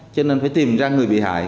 cho nên phải tìm ra người bị hại